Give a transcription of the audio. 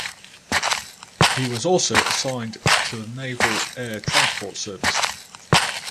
He was also assigned to the Naval Air Transport Service.